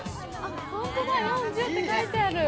ホントだ、４０って書いてある。